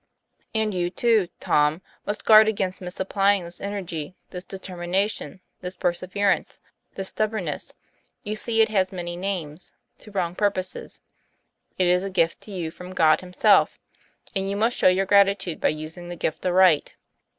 And you too, Tom, must guard against misapplying this energy, this determination, this perseverance, this stubbornness you see it has many names to wrong purposes. It is a gift to you from God Him self ; and you must show your gratitude by using the gift aright.